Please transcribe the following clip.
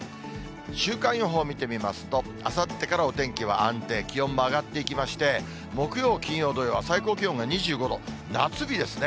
週間予報を見てみますと、あさってからお天気は安定、気温も上がっていきまして、木曜、金曜、土曜は最高気温が２５度、夏日ですね。